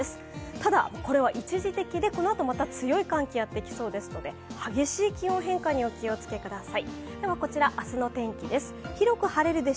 ただ、これは一時的で、このあと、強い寒気がやってきそうですので激しい気温変化にお気をつけください。